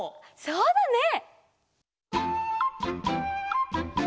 そうだね！